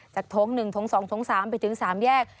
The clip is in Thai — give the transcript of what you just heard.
จากโท๊ค๑โท๊ค๒โท๊ค๓ไปถึง๓แยก